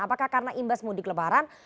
apakah karena imbas mudik lebaran